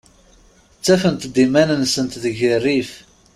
Ttafent-d iman-nsent deg rrif.